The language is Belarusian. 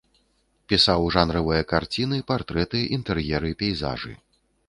Пісаў жанравыя карціны, партрэты, інтэр'еры, пейзажы.